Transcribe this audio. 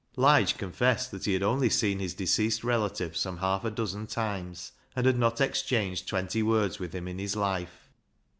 Lige confessed that he had only seen his deceased relative some half a dozen times, and had not exchanged twenty words with him in his life.